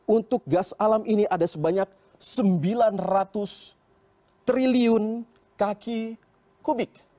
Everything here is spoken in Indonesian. untuk gas alam ini ada sebanyak sembilan ratus triliun kaki kubik